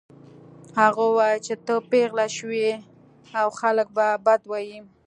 هغه وویل چې ته پیغله شوې يې او خلک به بد وايي